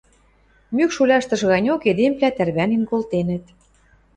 Мӱкш уляштыш ганьок эдемвлӓ тӓрвӓнен колтенӹт.